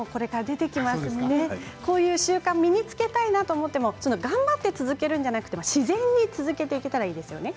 こういう習慣を身につけたいなと思っても頑張って続けるのではなく自然に続けていけたらいいですよね。